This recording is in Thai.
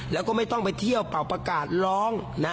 แล้วก็ไม่ต้องไปเที่ยวเป่าประกาศร้องนะ